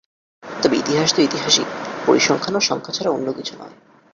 তবে ইতিহাস তো ইতিহাসই, পরিসংখ্যানও সংখ্যা ছাড়া অন্য কিছু নয়।